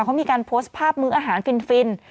เขามีการโพสต์ภาพมื้ออาหารฟิน